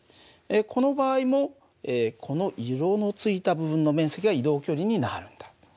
この場合もこの色のついた部分の面積が移動距離になるんだ。